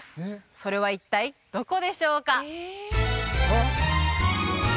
それは一体どこでしょうか？